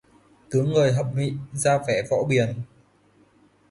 Tướng người bậm xị, ra vẻ võ biền